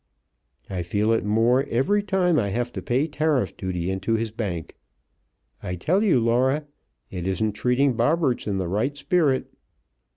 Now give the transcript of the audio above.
I feel it more every time I have to pay tariff duty into his bank. I tell you, Laura, it isn't treating Bobberts in the right spirit.